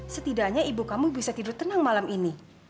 setidaknya ibu kamu bisa tidur tenang malam ini